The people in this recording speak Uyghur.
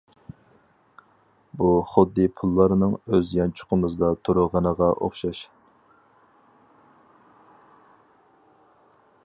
بۇ خۇددى پۇللارنىڭ ئۆز يانچۇقىمىزدا تۇرغىنىغا ئوخشاش.